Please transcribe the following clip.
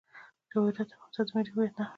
جواهرات د افغانستان د ملي هویت نښه ده.